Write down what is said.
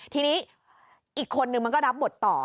ทีนี้อีกคนนึงมันก็รับบทต่อ